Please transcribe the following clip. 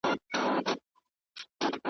لا یې پر ملاباندي را بار کړه یوه بله بورۍ .